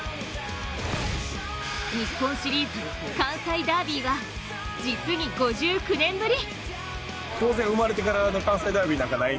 日本シリーズ関西ダービーは実に５９年ぶり。